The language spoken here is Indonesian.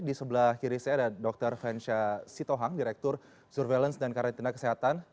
di sebelah kiri saya ada dr fensha sitohang direktur surveillance dan karantina kesehatan